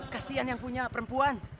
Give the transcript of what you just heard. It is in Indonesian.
kasian yang punya perempuan